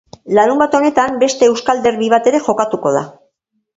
Larunbat honetan beste euskal derbi bat ere jokatuko da.